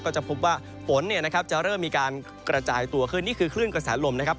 จะพบว่าฝนเนี่ยนะครับจะเริ่มมีการกระจายตัวขึ้นนี่คือคลื่นกระแสลมนะครับ